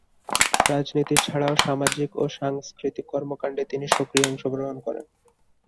রাজনীতি ছাড়াও সামাজিক ও সাংস্কৃতিক কর্মকান্ডে তিনি সক্রিয় অংশগ্রহণ করেন।